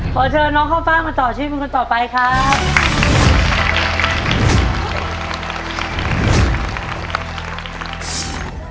ขอเชิญน้องข้าวฟ่างมาต่อชีวิตเป็นคนต่อไปครับ